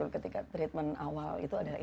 ketika treatment awal itu adalah